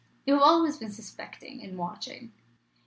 You have always been suspecting and watching.